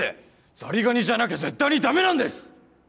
ザリガニじゃなきゃ絶対にダメなんです！